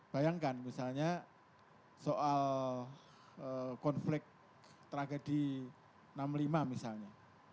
bayangkan misalnya soal konflik tragedi enam puluh lima misalnya